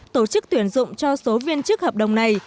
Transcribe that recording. tổ chức tuyển dụng cho số viên chức hợp đồng này